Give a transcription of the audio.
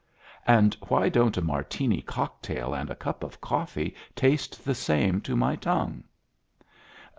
And why don't a Martini cocktail and a cup of coffee taste the same to my tongue?"